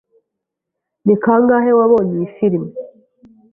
Ni kangahe wabonye iyi firime?